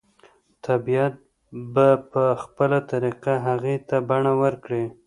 طبیعت به په خپله طریقه هغې ته بڼه ورکړي